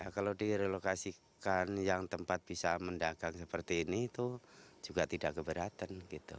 kalau direlokasikan yang tempat bisa mendagang seperti ini itu juga tidak keberatan